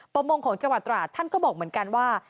ประมงของจังหวัดตราดท่านก็บอกเหมือนกันว่า